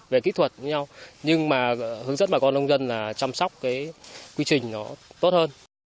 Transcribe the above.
về kỹ thuật với nhau nhưng mà hướng dẫn bà con nông dân là chăm sóc cái quy trình nó tốt hơn